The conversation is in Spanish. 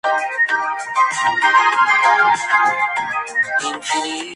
Podemos, mediante el Algoritmo de Ford-Fulkerson, encontrar el flujo máximo de una red.